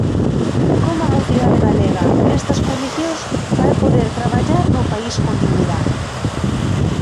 ¡¿Como a mocidade galega, nestas condicións, vai poder traballar no país con dignidade?!